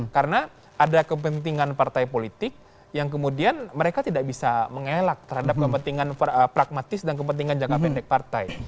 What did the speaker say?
karena ada kepentingan partai politik yang kemudian mereka tidak bisa mengelak terhadap kepentingan pragmatis dan kepentingan jangka pendek partai